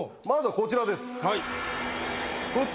まずはこちらです。